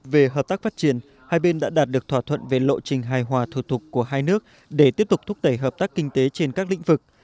về hợp tác phát triển hai bên đã đạt được thỏa thuận về lộ trình hài hòa thủ tục của hai nước để tiếp tục thúc đẩy hợp tác kinh tế trên các lĩnh vực